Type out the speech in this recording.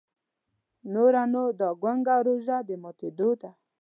نوره نو دا ګونګه روژه د ماتېدو ده.